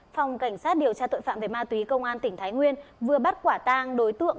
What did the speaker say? phòng cảnh sát điều tra tội phạm về ma túy công an tỉnh thái nguyên vừa bắt quả tang đối tượng